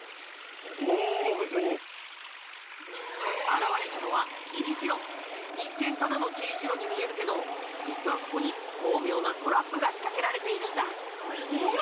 現れたのはＴ字路一見ただのＴ字路に見えるけど実は、ここに巧妙なトラップが仕掛けられているんだええー！